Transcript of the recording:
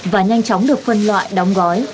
và nhanh chóng được phân loại đóng gói